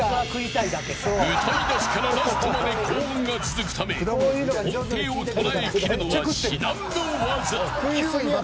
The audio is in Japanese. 歌い出しからラストまで高音が続くため音程を捉え切るのは至難の業。